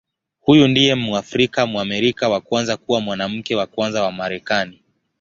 Huyu ndiye Mwafrika-Mwamerika wa kwanza kuwa Mwanamke wa Kwanza wa Marekani.